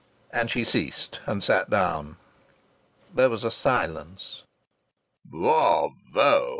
And she ceased and sat down. There was a silence. "Bra vo!"